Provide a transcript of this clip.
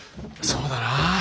そうだな。